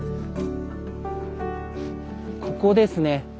ここですね。